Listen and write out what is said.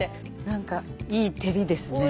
何かいい照りですね。